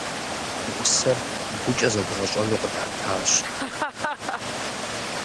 Усэр гукӏэ зэдгъэщӏэну къыдатащ.